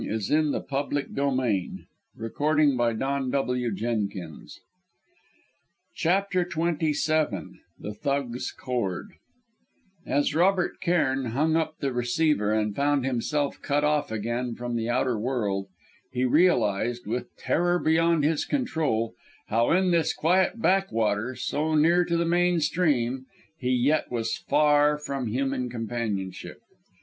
I shall be with you in less than half an hour!" CHAPTER XXVII THE THUG'S CORD As Robert Cairn hung up the receiver and found himself cut off again from the outer world, he realised, with terror beyond his control, how in this quiet backwater, so near to the main stream, he yet was far from human companionship.